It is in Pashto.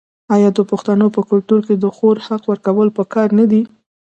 آیا د پښتنو په کلتور کې د خور حق ورکول پکار نه دي؟